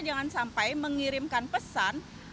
jangan sampai mengirimkan pesan